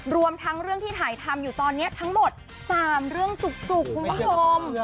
รวมทั้งเรื่องที่ถ่ายทำอยู่ตอนนี้ทั้งหมด๓เรื่องจุกคุณผู้ชม